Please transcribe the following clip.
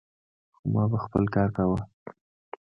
خو ما به خپل کار کاوه.